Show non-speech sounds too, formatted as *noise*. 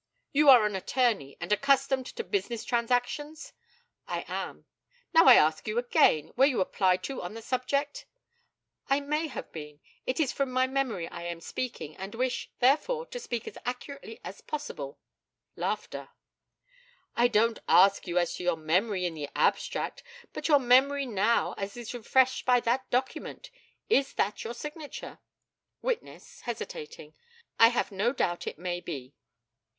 You are an attorney, and accustomed to business transactions? I am. Now I ask you again, were you applied to on the subject? I may have been; it is from my memory I am speaking, and I wish, therefore, to speak as accurately as possible. *laughs* I don't ask you as to your memory in the abstract, but your memory now that is refreshed by that document. Is that your signature? Witness (hesitating) I have no doubt it may be.